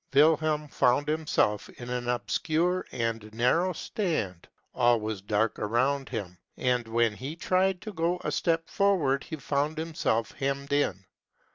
Wilhelm found himself in an obscure and narrow stand : all was dark around him ; and, when he tried to go a step forward, he found him self hemmed in.